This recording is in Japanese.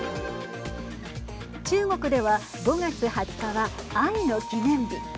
中国では５月２０日は愛の記念日。